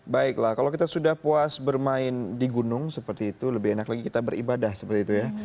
baiklah kalau kita sudah puas bermain di gunung seperti itu lebih enak lagi kita beribadah seperti itu ya